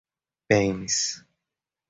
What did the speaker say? bens